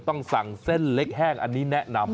ต้องสั่งเส้นเล็กแห้งอันนี้แนะนำ